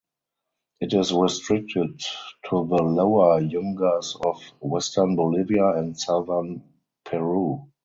It is restricted to the lower Yungas of western Bolivia and southern Peru.